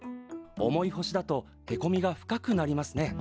重い星だとへこみが深くなりますね。